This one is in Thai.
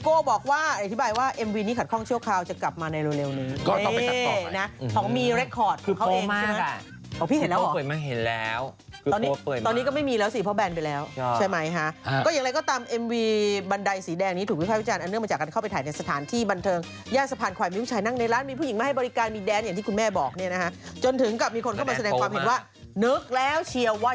เพราะว่าข้อหน้านี้มีน้ำท่วมกันนะฮะทั้งนี้ชาวบ้านในบ้านดุงก็บอกว่า